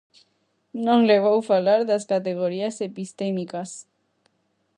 Non lle vou falar das categorías epistémicas.